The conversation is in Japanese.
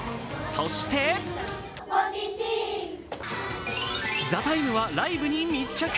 そして「ＴＨＥＴＩＭＥ，」はライブに密着。